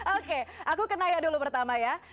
oke aku ke naya dulu pertama ya